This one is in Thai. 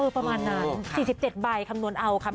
ประมาณนั้น๔๗ใบคำนวณเอาค่ะ